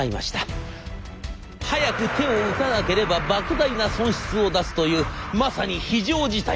早く手を打たなければばく大な損失を出すというまさに非常事態。